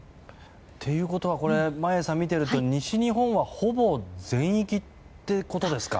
ということは眞家さん見てみると西日本はほぼ全域ってことですか。